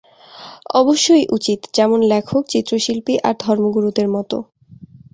অবশ্যই উচিৎ, যেমন লেখক, চিত্রশিল্পী আর ধর্মগুরুদের মতো।